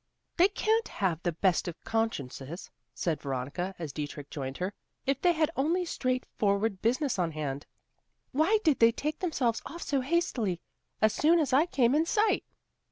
"They can't have the best of consciences," said Veronica, as Dietrich joined her; "if they had only straight forward business on hand, why did they take themselves off so hastily, as soon as I came in sight?"